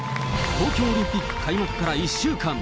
東京オリンピック開幕から１週間。